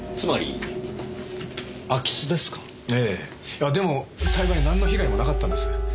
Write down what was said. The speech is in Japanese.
いやでも幸いなんの被害もなかったんです。